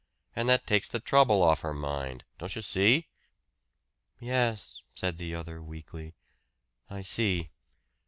And that takes the trouble off her mind. Don't you see?" "Yes," said the other weakly. "I see."